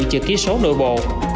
chữ ký số nội bộ